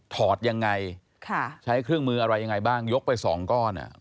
อดยังไงค่ะใช้เครื่องมืออะไรยังไงบ้างยกไปสองก้อนอ่ะ